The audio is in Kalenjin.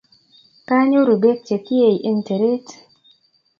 Kanyoru pek chekiey eng' teret